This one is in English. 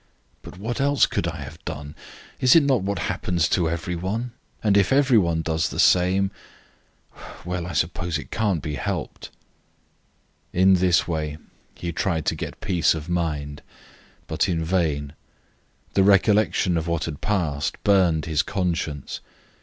"But what else could I have done? Is it not what happens to every one? And if every one does the same ... well I suppose it can't be helped." In this way he tried to get peace of mind, but in vain. The recollection of what had passed burned his conscience.